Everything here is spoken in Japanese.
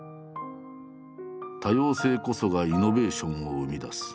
「多様性こそがイノベーションを生み出す」。